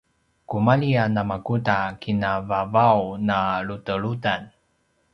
kumalji a namakuda kina vavaw na ludeludan